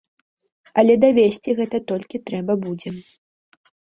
Але давесці гэта толькі трэба будзе.